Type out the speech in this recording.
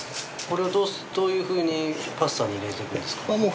これをどういうふうにパスタに入れるんですか？